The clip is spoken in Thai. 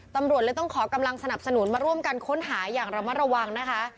ตำรวจเลยต้องขอกำลังสนับสนุนมาร่วมกันค้นหาอย่างระมัดระวังนะคะ